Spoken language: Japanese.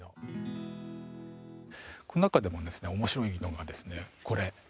この中でもですね面白いのがですねこれ。